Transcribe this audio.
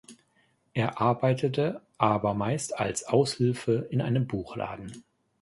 Er arbeitete aber meist als Aushilfe in einem Buchladen.